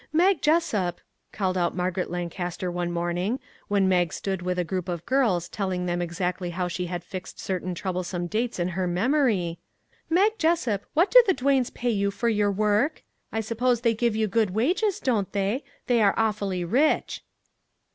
" Mag Jessup," called out Margaret Lan caster one morning, when Mag stood with a group of girls telling them exactly how she had fixed certain troublesome dates in her memory, " Mag Jessup, what do the Duanes pay you for your work? I suppose they give you good wages, don't they? They are awfully rich."